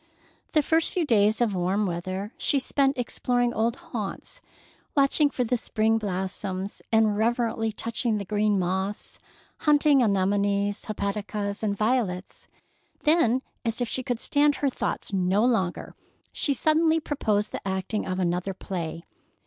The first few days of warm weather she spent exploring old haunts, watching for the spring blossoms, and reverently touching the green moss, hunting anemones, hepaticas, and violets. Then, as if she could stand her own thoughts no longer, she suddenly proposed the acting of another play.